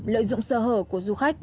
lợi dụng sơ hở của du khách